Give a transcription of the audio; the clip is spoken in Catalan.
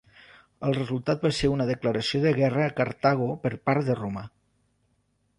El resultat va ser una declaració de guerra a Cartago per part de Roma.